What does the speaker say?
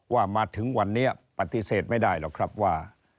ว่ามาถึงวันนี้ปฏิเสธไม่ได้หรอกครับว่า